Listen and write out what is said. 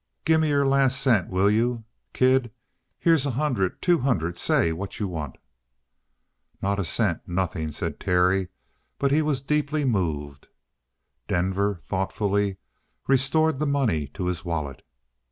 Gimme your last cent, will you? Kid, here's a hundred, two hundred say what you want." "Not a cent nothing," said Terry, but he was deeply moved. Denver thoughtfully restored the money to his wallet.